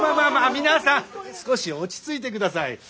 皆さん少し落ち着いてください。